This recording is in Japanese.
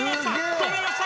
止めました。